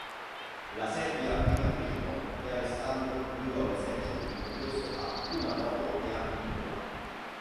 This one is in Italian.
La Serbia vi partecipò e Alessandro guidò l'esercito vittorioso a Kumanovo e a Bitola.